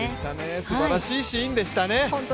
すばらしいシーンでしたね。